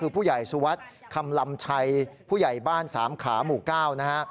ผู้ใหญ่สุวรรค์คำลำชัยผู้ใหญ่บ้านสามขาหมู่เก้า